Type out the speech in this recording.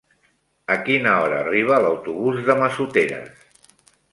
A quina hora arriba l'autobús de Massoteres?